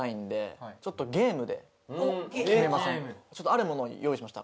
あるものを用意しました